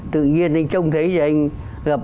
tự nhiên anh trông thấy anh gặp